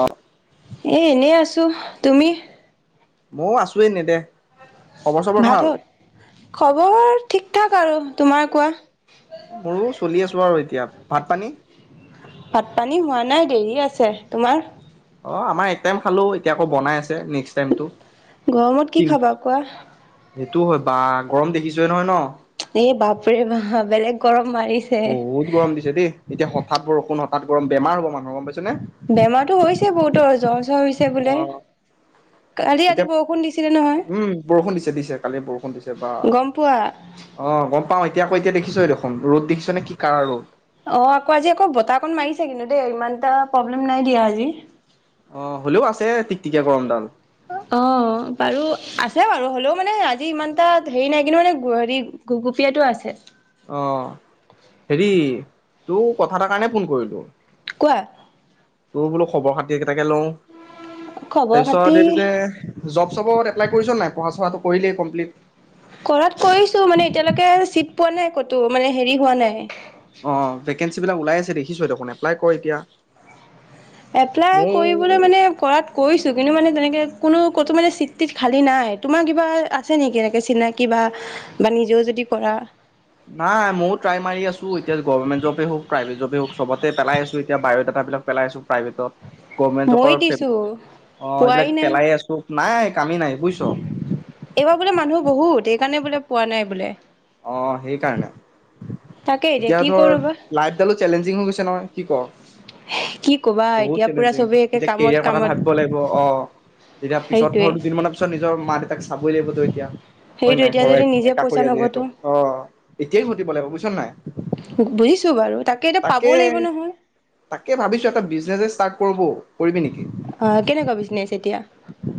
অ এ এনেই আছো তুমি ময়ো আছোৱে নে দে খবৰ চবৰ ভাত ভাল হ'ল খবৰ ঠিক ঠাক আৰু তোমাৰ কোৱা মোৰো চলি আছো আৰু এতিয়া ভাত পানী ভাত পানী হোৱা নাই দেৰি তোমাৰ অ আমাৰ এটাইম খালো এতিয়া আৰু বনাই আছে নেক্সট টাইমটো গৰমত কি খাবা কোৱা সেইটো হয় বা গৰম দেখিছে নহয় ন এ বাপৰে বা বেলেগ গৰম মাৰিছে এতি হঠাৎ বৰষুণ হঠৎ গৰমে বেমাৰ হব মানুহ গম পাইছেনে বেমাৰতো হৈছে বহুতৰ জ্বৰ চৰ হৈছে অ বোলে কালি ৰাতি এতিয়া বৰষুণ দিছিলে নহয় উম বৰষুণ দিছে দিছে কালি বৰষুণ দিছে বা গম পোৱা অ গম পাও এতিয়া আকৌ এতিয়া দেখিছই দেখোন ৰদ দেখিছ ন কি কাৰা ৰদ অ আকৌ আজি আকৌ বতাহ অকণ মাৰিছে কিন্তু দেই ইমান এটা প্ৰব্লেম নাই দিয়া আজি অ হলেও আছে টিক টিকে গৰমডাল অ বাৰু আছে বাৰু হ'লেও মানে আজি ইমান তাত হেৰি নাই কিন্তু মানে গহি গগুপিয়াতটো আছে অ হেৰি তো কথা এটাৰ কাৰণে ফোন কৰিলো কোৱা তোৰ বোল খবৰ খাতি তাকে লওঁ খবৰ খাতি তাৰপিছত এইটো যে জব চবত এপ্লাই কৰিছ নাই পঢ়া চৰা কৰিলেই কমপ্লিট কৰাত কৰিছো মানে এতিয়ালৈকে চিট পোৱা নাই ক'তো মানে হেৰি হোৱা নাই অ ভেকেঞ্চি বিলাক ওলাই আছে দেখিছো দেখোন এপ্লাই কৰ এতিয়া এপ্লাই ময়ো কৰিবলৈ মানে কৰাত কৰিছো কিন্তু মানে তেনেকে কোনো কতো মানে চিট তিত খালী নাই তোমাৰ কিবা আছে নেকি এনেকে চিনাকি বা বা নিজেও যদি কৰা নাই ময়ো ট্ৰাই মাৰি আছো এতিয়া গভৰ্ণমেণ্ট জবেই হওক কাবিলাক পেলাই আছো প্ৰাইভেটত গভমেণ্ট মই জবৰ ফে দিছো অ পোৱাই এইবিলাক নাই পেলাই আছোঁ নাই কামি নাই বুজিছ সেইকাৰণে বোলে পোৱা নাই বোলে অ সেইকাৰণে তাকে এতিয়া কি কৰো ধৰ বা লাইফডালো চেলেঞ্জিং হৈ গৈছে নহয় কি ক কি কবা বহুত এতিয়া পুৰা চেলেঞ্জিং চবেই একে এতিয়া কামত কেৰিয়াৰ কথা কামত ভাবিব লাগিব অ তেতিয়া পিছত ধৰ সেইটোৱে দুদিন মানৰ পিছত নিজৰ মা দেউতাক চাব [inaudible] লাগিবতো এতিয়া সেইটো এতিয়া যদি নিজে পইচা নঘটো অঁ এতিয়াই ঘটিব লাগিব বুজিছ নাই, বুজিছো বাৰু এতিয়া তাকে পাবও লাগিব নহয় তাকে ভাবিছো এটা বিজ বিজনেযে ষ্টাৰ্ট কৰো ব কৰিবি নেকি অঁ কেনেকুৱা বিজনেছ এতিয়া?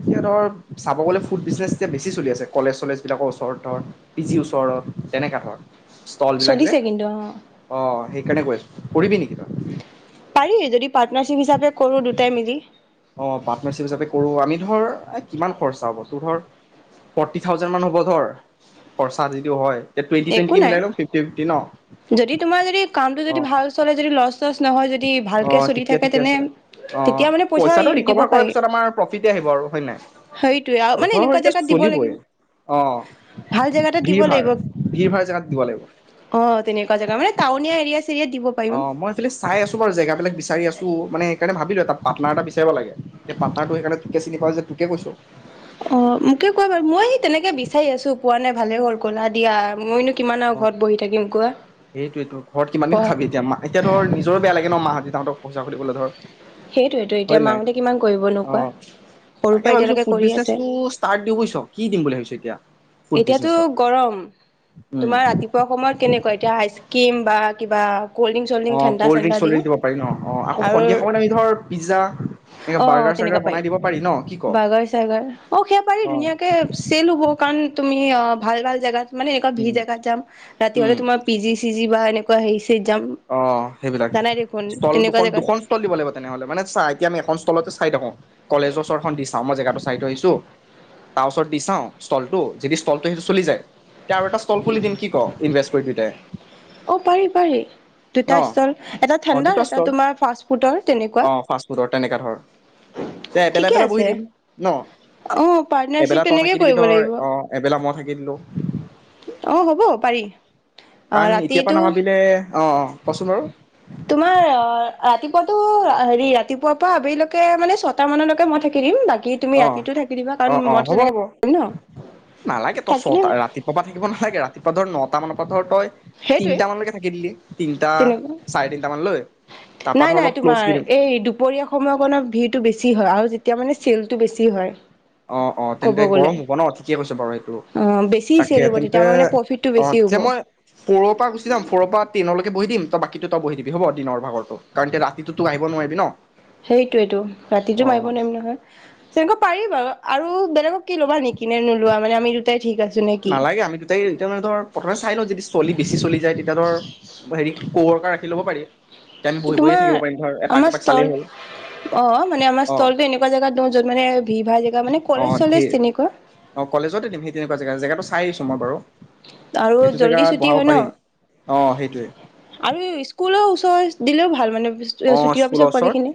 এতিয়া ধৰ চাব গ'লে ফুড বিজনেছ এতিয়া বেছি চলি আছে কলেজ চলেজবিলাকৰ ওচৰত ধৰ পি জিৰ ওচৰত তেনেকুৱা ধৰ। ষ্টল বিলাক যে, চলিছে কিন্তু অ অঁ সেইকাৰণে কৈ আছো, কৰিবি নেকি তই? পাৰি যদি হিচাপে কৰো দুটাই মিলি অঁ পাৰ্টনাৰশ্বিপ হিচাপে কৰোঁ আমি ধৰ কিমান খৰচা হ'ব তোৰ ধৰ ফৰ্টি থাউজেণ্ড মান হ'ব ধৰ খৰচা যিটো হয়। এতিয়া টুৱেণ্টি একো টুৱেণ্টিকে নাই মিলাই লম ফিফটি ফিফটি ন যদি তোমাৰ যদি কামটো অ যদি ভাল চলে যদি লচ [inaudible] নহয় যদি অ ভালকে চলি তেতিয়া থাকে ঠিকে তেনে আছে অ তেতিয়া মানে পইচা পইচাটো দিব ৰিকভাৰ কৰাৰ পাৰি পিছত আমাৰ প্ৰফিটে আহিব আৰু হয় নাই সেইটোয়ে আৰু মানে ধৰ এনেকুৱা এতিয়া জেগাত দিব চলিবই লাগিব অ ভাল জেগাতে দিব ভিৰ ভাৰ লাগিব ভিৰ ভাৰ জেগাত দিব লাগিব অঁ তেনেকুৱা যেগা মানে টাউনীয়া। এৰিয়া চেৰিয়াত দিব পাৰিম অ মই আচালি চাই আছো বাৰু জেগাবিলাক বিচাৰি আছো মানে সেইকাৰণে ভাবিলো তাত পাৰ্টনাৰ এটা বিচাৰ লাগে। [inaudible] পাৰ্টনাৰটো সেইকাৰণে [inaudible] তোকে চিনি পাওঁ যে, তোকে কৈছো। অ মোকে কোৱা বাৰু মই সেই তেনেকে বিচাৰি আছো পোৱা নাই ভালে কল কলা দিয়া মইনো [inaudible] অ ঘৰত বহি থাকিম কোৱা সেইটোৱেটো ঘৰত কিমান দিন পঢ়া খাবি এতিয়া মা এতিয়া ধৰ নিজৰ বেয়া লাগে ন মা হত দেৱতা হত পইচা সুধিবলৈ ধৰ। সেইটোৱেতো এতিয়া হয় নাই? মাহঁতে কিমান কৰিব নো কোৱা অঁ সৰুৰ তাকে পৰা ভাবিছো এতিয়ালৈকে ফুড কৰি আছে বিজনেচটো ষ্টাৰ্ট দি বুজছ, কি দিম বুলি ভাবিছো এতিয়া? ফুড এতিয়াতো বিজনেছত গৰম উম তোমাৰ ৰাতিপুৱা সময়ত কেনেকুৱা এতিয়া আইচ ক্ৰীম বা কিবা কল্ড ড্ৰিংক চল্ড অ ড্ৰিংক ঠাণ্ডা কল্ড চাণ্ডা ড্ৰিংক দিওঁ চল্ড্ৰিংক দিব পাৰি ন অ আকৌ আৰু সন্ধিয়া সময়ত আমি ধৰ পিজ্জা এনে অ বাৰ্গাৰ তেনেকুৱা চাৰ্গাৰ বনাই দিব পাৰি ন, কি কও? বাৰ্গাৰ চাৰ্গাৰ অ সেয়া পাৰি ধুনীয়াকে [inaudible] তুমি অ ভাল ভাল জেগাত মানে এনেকুৱা [unintelligible] ভিৰ উম জেগাত যাম ৰাতি হলে উম তোমাৰ পিজি চিজি যিবা এনেকুৱা হেৰী অ সেইবিলাক ষ্টল তেনেকুৱা দুখন জেগাত দুখন ষ্টল দিব লাগিব তেনেহলে মানে চাহ এতিয়া আমি এখন স্তলতে চাই থাকো কলেজৰওচৰ দি চা মই জেগটো চাই থৈ আহিছো তাৰ ওচৰত দি চাও ষ্টলটো যদি ষ্টলটো চলি যায় তেতিয়া আৰু এটা ষ্টল খুলি দিম কি ক ইনভ কৰি অ পাৰি পাৰি ন দুটা ষ্টল এটা অ ঠাণ্ড দুটা এটাত ষ্টল তোমাৰ ফাৰ্ষ্ট ফুতৰ তেনেকুৱা অ ফাষ্ট ফুডৰ তেনেকা ধৰ তে এবেলা ঠিকে এবেলা বহি আছে দিম ন অ পাৰ্টনাৰশ্বিপ তেনেকে কৰিব লাগিব গেলো অ হ'ব পাৰি আহ কাৰণ এতিয়াৰ পৰা ৰাতিটো নাভাবিলে অ অ কচোন বাৰু তোমাৰ অ ৰাতিপুৱাতো হেৰি ৰাতিপুৱাৰ পৰা আবেলিলৈকে মানে ছয়টা মানলৈকে মই থাকি দিম বাকী তুমি অ ৰাতিটো থাকি দিবা কাৰণ অ অ মইতো হ'ব তেনেকে হ'ব ন নালাগে তই থাকিলে চত ৰাতিপুৱাবা থাকিব নালাগে ৰাতিপুৱা ধৰ নট তাৰমান পথৰটই সেইটোৱে চাৰে তিনটা মানলৈ তাৰ তেনেকুৱা পৰা নাই ধৰ নাই অলপ ক্ল'জ তোমাৰ দি দিম এই দুপৰীয়া সময়কণত ভিৰটো বেছি হয় আৰু যেতিয়া মানে ছেল টো বেছি হয় অ অ ক'ব তেন্তে গ'লে গৰম হব ন ঠিকে কৈছ বাৰু এইটো অ বেছি তাকে চেল হ'ব তেতিয়া তেন্তে আমাৰ মানে প্ৰফিটটো অ বেছি হ'ব যে মই ফ'ৰ পৰা গুচি যাম ফৰ পৰা টেইনলৈকে বহি দি ত বাকীতো বহি দিবি হ'ব দিনৰ ভাগতো কাৰণ এতিয়া ৰাতিটো তোকো আহিব নোৱাৰিবি ন সেইটোয়েটো ৰাতিতো মাৰিব অ নোৱাৰিম নহয় তেনেক পাৰি বাৰু আৰু বেলেক কি ল'বা নেকিনে নোলোৱা মানে আমি দুটাই ঠিক আছে নালাগে আমি দুটাই এতিয়া মানে ধৰ প্ৰথমে চাই লওঁ যদি চলি বেছি চলি যায় তেতিয়া ধৰ হেৰি কোৰকা ৰাখি ল'ব পাৰি তেতিয়া আমি বহি বহিয়ে থাকিব তোমাৰ পাৰিম ধৰ এপাক আমাৰ দুপাক চালেই ষ্টল হ'ল অ মানে আমাৰ অ ষ্টলটো এনেকুৱা জেগাত দ য'ত মানে ভিৰ ভাৰ জেগা মানে অ কলেজ চলেজ ধেৰ তেনেকুৱা জেগটো চাই আহিছোঁ মই বাৰু আৰু সেইটো জল্দি জেগাত ছুটি বহাব হয় ন পাৰিম অ সেইটোৱে আৰু স্কুল চ দিলেও ভাল মানে অ ছুটি হোৱাৰ স্কুলৰ পিছত ওচৰত পোৱালিখিনি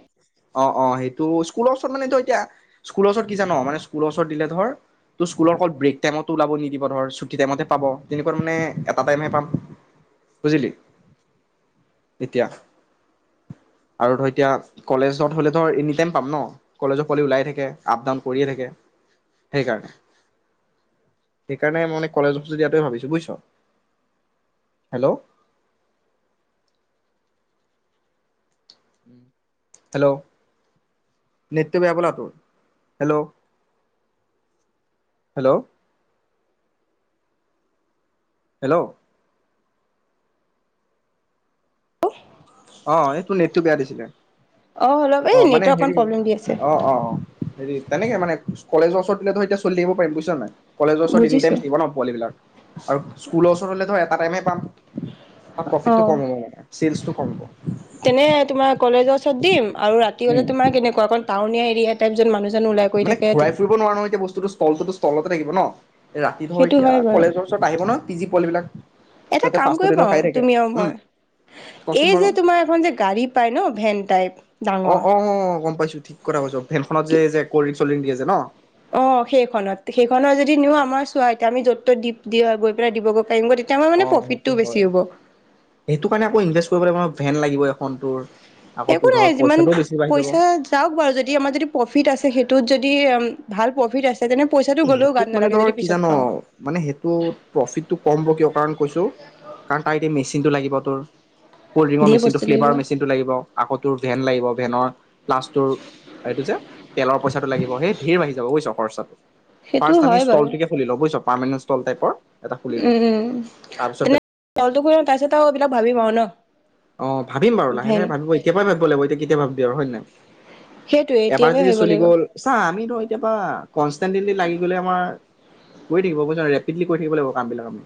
অ অ সেইটো স্কুলৰ ওচৰত মানেটো এতিয়া স্কুলৰ ওচৰত কি জান মানে স্কুলৰ ওচৰত দিলে ধৰ তোৰ স্কুলৰ অ ব্ৰেক টাইমতো ওলাব নিদিব ধৰ ছুটি টাইমতে পাব তেনেকুৱা মানে এটা টাইমে পাম বুজিলি এতিয়া আৰু ধৰ এতিয়া কলেজত হলে ধৰ এনিটাইম পাম ন কলেজৰ ওলাইে থাকে আপ ডাউন কৰিয়ে থাকে সেইকাৰণে সেইকাৰণে মানে কলেজৰ দিয়াটোৱেই ভাবিছো বুজিছ হেল্ল' হেল্ল' নৃত্য বেয়া বলা ত হেল্ল' হেল্ল' হেল্ল' হেল্ল' অ এইটোৰ নেটটো বেয়া দিছিলে অঁ অলপ এই অ মানে নেটৱৰ্ক হেৰি কণ প্ৰব্লেম দি আছে অ অ অ হেৰি তেনেকে মানে কলেজৰওচৰ তলে তো এতিয়া চলি আহিব পাৰিম বুজিছ নাই কলেজৰ ওৰত তিনি টাইম বুজিছো থাকিব ন পোৱালিবিলাক আৰু স্কুলৰ লে ধৰ এটা টাইমে পাম অ প্ৰফিটটো কম হ'ব মানে চ থকে [unintelligible] তেনে তোমাৰ কলেজৰ ওচৰত দিম আৰু ৰাতি হ'লে উম তোমাৰ কেনেকুৱা অকণ টাউনীয়া দিয়ে তাৰপিচত মানুহ জন, - মানে ঘূৰাই ফুৰিব নোৱাৰো, এতিয়া বস্তুটো স্থলতোতো -স্থলতে থাকিব ন',। ৰাতি ধৰ সেইটো এতিয়া হয় বাৰু কলেজৰ ওচৰত আহিব ন পি জি পোৱালি বিলাক এটা হিহতে কাম ফাষ্ট ফুড কৰিব এনো পাৰো খাই থাকে, তুমি আৰু উম মই কচোন এই বাৰু যে তোমাৰ এখন যে গাড়ী পাই ন ভেন টাইপ অ ডাঙৰ অ অ গম পাইছো ঠিক কথা কৈছ ভেনখনত যে যে চলিকে যেছে ন [unintelligible] অ', সেইখনত- সেইখনৰ যদি নিও আমাৰ চোৱা এতিয়া আমি য'ত -ত' ত দি', - দিব গৈ পেলাই দিবগৈ, পাৰিমগৈ তেতিয়া আমাৰ অ মানে ', প্ৰফিটটো সেইটো বেছি হয়। হ'ব সেইটো কাৰণে আকৌ ইনভেষ্ট কৰিব লাগিব ন', ভেন লাগিব এখন তোৰ আকৌ একো তোৰ নাই, ধৰ যিমান পইচাটোও বেছি বাঢ়ি যাব -পইচা যাওক বাৰু যদি আমাৰ যদি প্ৰফিট আছে সেইটোত যদি, ভাল প্ৰফিট আছে তেনে পইচাটো গ'লেও গাত সেইটোত মানে নালাগে ধৰ যদি কি পিছত জান,, পাওঁ মানে সেইটোত প্ৰফিটটো কম হব কিয় কাৰণ কৈছো কাৰণ তাৰ এতিয়া মেচিনতটো লাগিব তোৰ কল্ড ড্ৰিংকৰ ধেৰ মেচিনটো বস্তু লাগিব ফ্লেভাৰ মেচিনটো লাগিব আকতোৰ ভেন লাগিব ভেনত, প্লাচটোৰ এইটো যে', তেলৰ পইচাটো লাগিব। সেই ধৰ বাঢ়ি যাব বুজিছ? খৰচাটো সেইটো ফাৰ্ষ্ট আমি হয় বাৰু ষ্টলটিকে খুলি লও বুজিছ, পাৰ্মানেণ্ট ষ্টল টাইপৰ এটা খুলিলো, উম তাৰ পিছত ভাবি পাও ন', - অ', ভাবিম বাৰু লাহ- লাহে ভাবিব। এতিয়া পৰাই ভাবিব লাগিব এতিয়া কেতিয়া ভাবো, বিয়াৰ হয় নাই? সেইটোৱে এতিয়াৰ এবাৰ পৰা যদি ভাবিব চলি লাগিব গ'ল, চা আমি এতিয়া পা কনস্টেন্টলি লাগি গলে আমাৰ কৰি থাকিব বছ ৰেপিডলি কৰি থাকিব লাগিব কাম বিলাক আমি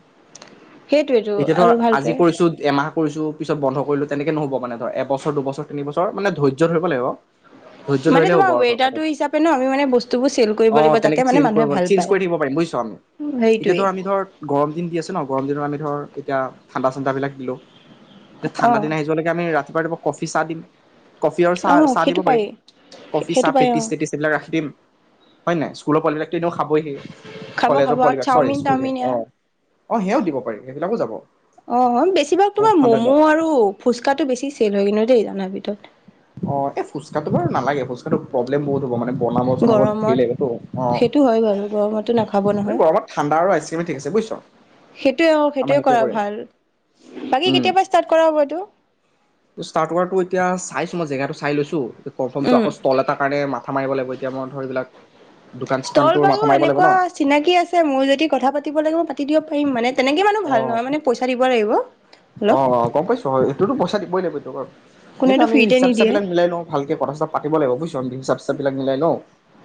সেইটোৱেতো এতিয়া ধৰ আৰু আজি ভালকে কৰিছো এমাহ, - কৰিছোঁ পিছত বন্ধ কৰিলো তেনেকে নহব মানে এবছৰ, দুবছৰ, তিনি বছৰ ধৰা, মানে ধৈৰ্য ধৰিব লাগিব ধৈৰ্য মানে ধৰিলে হ'ব তোমাৰ আও ধ, ৱেডাৰটো হিচাপে ন আমি মানে বস্তুবোৰ চেল কৰিব অ লাগিব যাতে তেনেকে মানে চেঞ্জ মানুহে ভাল চেইঞ্জ পায় কৰি থিব পাৰিম বুজিছ আমি। এতিয়া হেৰিটোৱে ধৰ আমি ধৰ গৰম দিন দি আছো ন গৰম দিন আমি ধৰ এতিয়া ঠাণ্ডা-চাণ্ডাবিলাক দিলোঁ যে অ ঠাণ্ডা দিন আহি যোৱা লৈকে আমি ৰাতিপুৱা ৰাতিপুৱা কষ্ট- ফিছা দিম কফি আৰু চাহ অ চাহ দিব সেইটো পাৰিম, পাৰি কফি চাহ সেইটো পাৰি অ পেটিচ চেটিচ এইবিলাক ৰাখি দিম হয় নাই স্কুলৰ পোৱালিবিলাক এনেও খাবই হি খাব খাব কলেজৰ পোৱালি আৰু বিলাক চৰি চাওমিন স্কুলহে তাওমিন অ এয়া অ সেয়াও দিব পাৰিম সেইবিলাকো যাব অহ', বেছিভাগ অ তোমাৰ ঠাণ্ডা ম'ম' দিনত আৰু ফুচকাটো বেছি চেল হৈ কিন্তু দেই, [unintelligible] ভিতৰত অহ, এই ফুচকাটো বাৰু নালাগে। ফুচকাটো প্ৰ'ব্লেম বহুত হ'ব মানে বনাব চনাব ধেৰ লাগিবতো অ গৰমত সেইটো হয় বাৰু গৰমটো নাখাব মানে নহয় গৰমত ঠাণ্ডা আৰু আইচক্ৰীমে ঠিক আছে বুজিছ সেইটোৱে আমাৰ সেইটোৱে কৰা কৰিম ভাল বাকী উম কেতিয়াবা ষ্টাৰ্ট কৰা হ'ব এইটো- ষ্টাৰ্ট [unintelligible] এতিয়া চাইছো মই জেগাটো চাই লৈছো [unintelligible] টো উম আকৌ ষ্ট'ল এটাৰ কাৰণে মা থা মাৰিব লাগিব এতিয়া মই ধৰ এইবিলাক দোকান ষ্ট'ল চোকানটোৰ বাৰু মাথা মাৰিব লাগিব এনেকুৱা ন চিনাকি আছে মোৰ যদি কথা পাতিব লাগিব মই পাতি দিব পাৰিম মানে তেনেকৈ অ ভাল নহয়, মানে পইচা দিব লাগিব অলপ অ', অ', গম পাইছো হয়, এইটোতো পইচা দিবই লাগিব [unintelligible] সেইটো কোনেতো আমি ফ্ৰীতে হিচাপ চিচাপ নিদিয়ে বিলাক মিলাই লওঁ ভালকে কথা চথা পাব লাগিব বুজিছ হিচাপ চিচাপ বিলাক মিলাই লওঁ,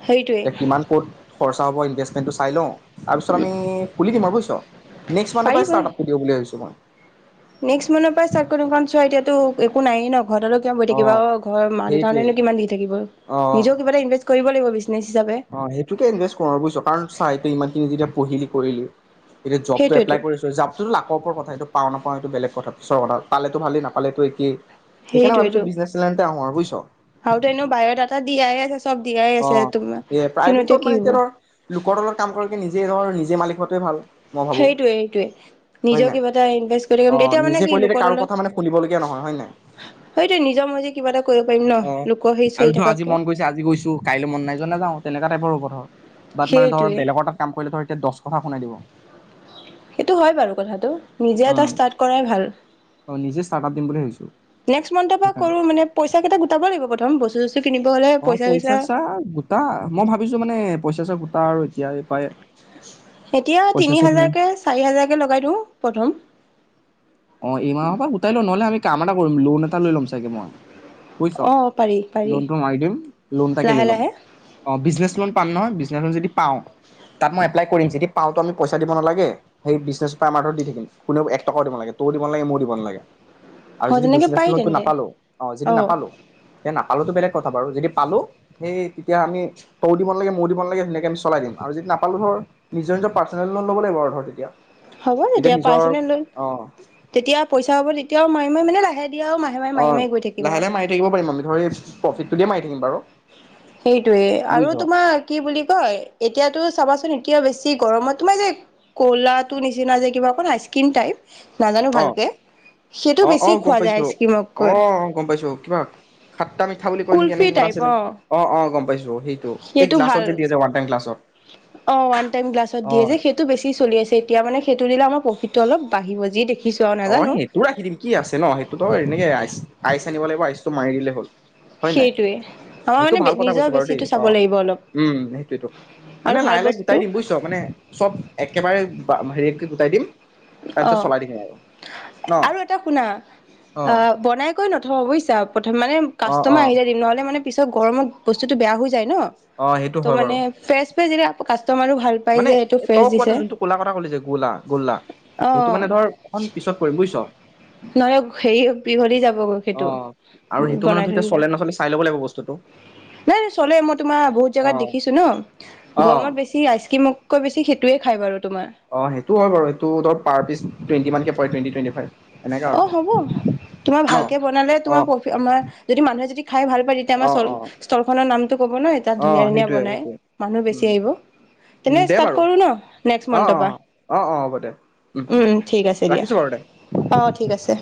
সেইটোৱে এ কিমান ক'ত খৰচ তাপৰি ইনভেষ্টটো চাই লওঁ তাৰপিছত আমি খুলি দিম আৰু বুজিছ নেক্স মান্থৰ পৰা ষ্টাৰ্ট আপটো দিওঁ বুলি ভাবিছো মই নেক্স মানৰ পৰাই ষ্টাৰ্ট কৰিম চোৱা এতিয়াতো একো নায়েই ন ঘৰত আৰু কিমান বহি থাকিবা অ', ঘৰ মা সেইটোৱে দেউতাহতে কিমান দি থাকিব অ নিজেও কিবা এটা ইনভেষ্ট কৰিব লাগিব বিজনেছ হিচাপে অ', সেইটোকে ইনভেষ্ট কৰো বুজিছো কাৰণ চা এয়া ইমানখিনি যেতিয়া পঢ়িলি কৰিলি এতিয়া জবটো সেইটোৱেতো এপলাই কৰিছো জবটো লাকৰ ওপৰত কথা এইটো পাওঁ নাপাওঁ এইটো বেলেগ কথা পিছৰ কথা পালেতো ভালেই নাপালেতো একেই সেইকাৰণে ভাবিছোঁ বিজনেছ লাইনতে আহো আৰু বুই ছ আৰু তো এনেও বায়'ডাটা দিয়ায়ে আছ অ', এ প্ৰাইভেটত কি মানে হ'ব এতিয়া ধৰ লোকৰ তলত কাম কৰাতকে নিজে ধৰ নিজ নিজে মালিক হোৱাটোয়ে ভাল। মই ভাবো সেইটোৱে, সেইটোৱে হয় নিজেও নাই কিবা এটা ইনভেষ্ট কৰি অ থম তেতিয়া মানে নিজে কি কৰিলে এতিয়া লোকৰ কাৰো কথা তলত মানে শুনিবলগীয়া নহয় হয় নাই সেইটোৱে নিজৰ মৰ্জি কিবা এটা কৰিব পাৰিম নহ, অ লোকৰ সেই আৰু চলি ধৰ আজি থকাতকে মন গৈছে আজি গৈছো কাইলৈ মন নাই যোৱা নাযাওঁ তেনেকুৱা টাইপৰ হ'ব ধৰ বাট মানে ধৰ সেইটোৱে বেলেগৰ তাত কাম কৰিলে ধৰ দচ সেইটো হয়, বাৰু কথাটো নিজে এটা উম ষ্টাৰ্ট কৰাই ভাল। নিজে ষ্টাৰ্ট আপ দিম বুলি ভাবিছো নেক্স মান্থৰ পৰা সেইকাৰণে কৰো মানে পইচা কেইটা গোটাব লাগিব প্ৰথম বস্তু চস্তু কিনিব হলে অ', পইচা চইচা ছইচা গোটা মই ভাবিছো মানে পইচা ছইচা গোটা আৰু এতিয়ায়ে পায় এতিয়া তিনি হাজাৰকে, চাৰি হাজাৰকে লগাই দিওঁ প্ৰথম অ', এইমাহৰ পৰা গোটাই লওঁ নহ'লে আমি কাম এটা কৰিম লোন এটা লৈ ল'ম চাগে মই বুইছ অ পাৰি পাৰি লোনটো মাৰি দিম লোন তাকে লৈ লাহে লম। লাহে অ', বিজনেছ লোন পাম নহয় য পাওঁ তাত মই এপ্লাই কৰিম যদি পওঁটো আমি পইচা দিব নালাগে সেই বিজনে আমাৰ দি থাকিম কোনেও এক টকা দিব লাগে তোৰ দিব ন লাগে মোৰ দিব নালাগে আৰু অ যদি তেনেকে বিজনেছ পাৰি লোনটো তেন্তে নাপালো অ যদি নাপালো তে নাপ পালোতো বেলেগ কথা বাৰু যদি পালোঁ সেই তেতিয়া আমি তৌ দিব লাগে মোৰ দিব লাগে ধুনাকে আমি চলাই দিম আৰু যদি নাপালো ধৰ নিজৰ নিজৰ পাৰ্চনেল লোন ল'ব লাগিব আৰু ধ তেতিয়া হ'ব তেতিয়া পাইছেনে লৈ অ তেতিয়া পইচা হ'ব তেতিয়াও মাৰি মানে লাহে দিয়ে আৰু মাহে মাহে অ মাৰি মাৰি গৈ থাকিম লাহে আৰু লাহে মাৰি থাকিব পাৰিম আমি ধৰি প্ৰফিটটো দিয়ে মাৰি থাকিম বাৰু সেইটোয়ে আৰু বুজিছ তোমাৰ কি বুলি কয় এতিয়াতো চাবাচোন কিয় বেছি গৰমত মই যে গলাটো নিচিনা যে কিবা অকণ হাইস্কিন টাইপ নাজানো অ ভালকে সেইটো অ অ বেছি গম খোৱা যায় পাইছো অ আইচক্ৰীমতকৈ গম পাইছো কিবা খাট্টা মিঠা বুলি কয় নেকি কুলফি এনেকে কিবা টাইপ আছিলে অ অ গমাই সেইটো গ্লাছত যে দি আছে ৱটাৰ গলছত অ ওৱান টাইম গ্লাছত দিয়ে যে সেইটো বেছি চলি আছে এতিয়া মানে সেইটো দিলান প্ৰফিটটো অলপ বাঢ়িব যি দেখি অ সেইটোও ৰাখি দিম কি আছে ন সেইটোতো এনেকে আইচ আইচ আনিব লাগিব আইচটো মাৰি দিলে হ'ল হয় নাই সেইটোৱে আমাৰ সেইটো মানে ভাল কথা নিজৰ কৈছো বাৰু দেই বেছিটো অ চাব লাগিব অলপ উম সেইটোটো আৰু মানে ভাল লাহে লাহে বস্তু গোটাই দিম বুজিছ মানে চব একেবাৰে হেৰি গোটাই দিম অ তাৰপিছত চলাই দেখাই আৰু ন আৰু এটা শুনা অ বন ক নথওঁ বুজিচা প্ৰথম মানে অ অ কাষ্টমাৰ আহি যায় দিম নহ'লে মানে পিছত গৰমত বস্তুত বেয়া হৈছে ন অ সেইটো ত হয় বাৰু মানেজ প যে ক মানে তই কোৱাটো যোনটো কলা কথা কলি যে গোলা গোলা অ সেইটো মানে ধৰ এখন পিছত পৰিম বুজিছ নহয় হেৰি বিহল যাব অ সেইটো আৰু সেইটো মানে বনাই ধৰ এতিয়া এৰিলে চলে নচলে চাই ল'ব লাগিব বস্তুটো নাই চলে মই তোমাৰ বহুত অ জোগাত দেখিছো ন অ গৰমত বেছি আইচ ক্ৰীম ৈেছি সেইটোৱে খ বাৰু তোমাৰ অ সেইটো হয় বাৰু এইটো ধ পাৰ পিছ টুৱেণ্টিানকে প ুৱটি টুৱেি ফাইভ এনেকা আৰু অ হ'ব তোমাৰ ন ভালকে বনালে অ তোমাৰ যদি মানুহে যদি খাই ভাল পায় তেতিয়া আমাৰ অ অ স্তৰখনৰ নাম ন তাত অ ধুনীয়া ধুনীয়া সেইটোৱে বনাই সেইটোৱে মানুহ বেছি উম আহিব উম তেনে দে বাৰু কৰো নক্ মৰ অ অ অ অ হ'ব দে উম উম ঠিক আ ৰাখিছো বাৰু দে দিয়া ঠিক আছে